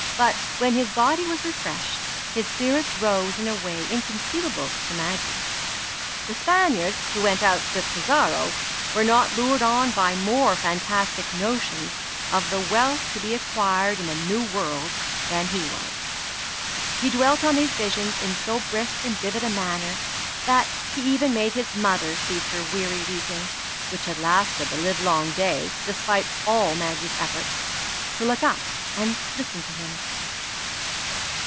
But when his body was refreshed, his spirits rose in a way inconceivable to Maggie. The Spaniards who went out with Pizarro were not lured on by more fantastic notions of the wealth to be acquired in the New World than he was. He dwelt on these visions in so brisk and vivid a manner, that he even made his mother cease her weary weeping (which had lasted the livelong day, despite all Maggie's efforts) to look up and listen to him.